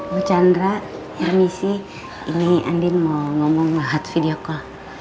bu chandra ernisi ini andin mau ngomong mahat video call